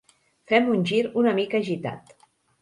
Fem un gir una mica agitat.